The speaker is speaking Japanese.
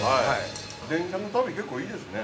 ◆電車の旅、結構いいですね。